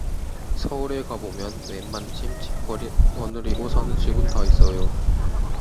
서울에 가보면 웬만침 집 거느리고 사는 집은 다 있어요.